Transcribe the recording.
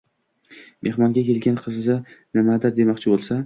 Mehmonga kelgan qizi nimadir demoqchi boʻlsa